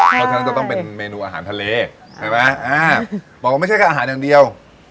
เพราะฉะนั้นจะต้องเป็นเมนูอาหารทะเลใช่ไหมอ่าบอกว่าไม่ใช่แค่อาหารอย่างเดียว